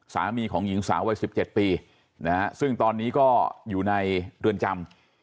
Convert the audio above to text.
สามีของหญิงสาววัย๑๗ปีนะฮะซึ่งตอนนี้ก็อยู่ในเรือนจำ